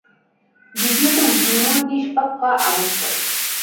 দ্বিতীয়ত গুরুর নিষ্পাপ হওয়া আবশ্যক।